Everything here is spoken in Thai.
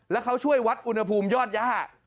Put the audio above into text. แล้วเขาช่วยวัดอุณหภูมิยอดย่า